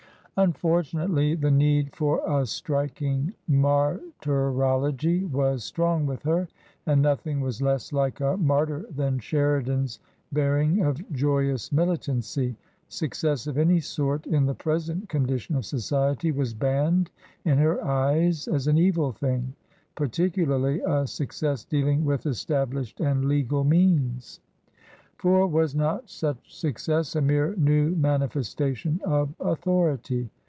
Unfortunately, the need for a striking martyrology was strong with her, and nothing was less like a martyr than Sheridan's bearing of joyous militancy ; success of any sort, in the present condition of society, was banned in her eyes as an evil thing — particularly a success dealing with established and legal means. For was not such success a mere new manifestation of authority?